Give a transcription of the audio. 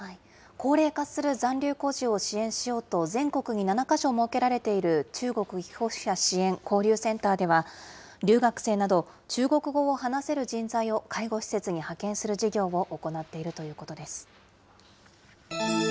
高齢化する残留孤児を支援しようと、全国に７か所設けられている、中国帰国者支援・交流センターでは、留学生など、中国語を話せる人材を介護施設に派遣する事業を行っているということです。